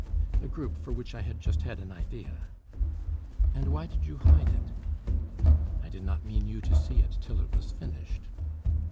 "A group for which I had just had an idea." "And why did you hide it?" "I did not mean you to see it till it was finished."